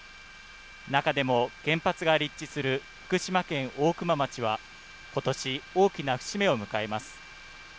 中でも原発が立地する福島県大熊町は、ことし大きな節目を迎えます。